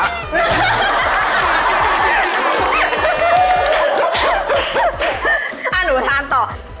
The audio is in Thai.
อ้าวหนูทานต่อ